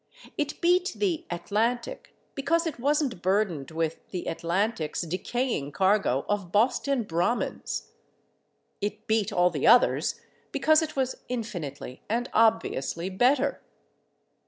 It beat the Atlantic because it wasn't burdened with the Atlantic's decaying cargo of Boston Brahmins. It beat all the others because it was infinitely and obviously better.